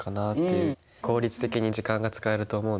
効率的に時間が使えると思うので。